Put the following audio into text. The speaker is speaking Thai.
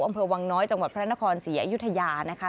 อำเภอวังน้อยจังหวัดพระนครศรีอยุธยานะคะ